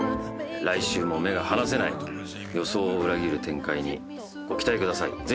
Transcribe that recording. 来週も目が離せない予想を裏切る展開にご期待ください。